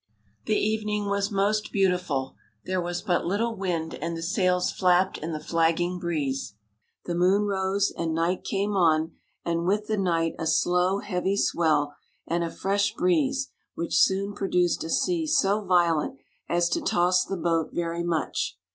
The evening was most beautiful; there was but little wind, and the sails flapped in the flagging breeze : the moon rose, and night came on, and with the night a slow, heavy swell, and a fresh breeze, which soon pro duced a sea so violent as to toss the boat very much.